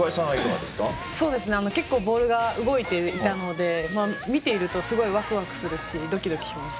結構ボールが動いていたので見ていると、すごいワクワクするしドキドキします。